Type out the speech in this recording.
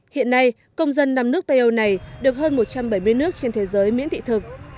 hiện nay công dân năm nước tây âu này được hơn một trăm bảy mươi nước trên thế giới miễn thị thực